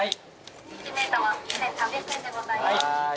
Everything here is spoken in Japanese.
１名さま２，３００円でございます。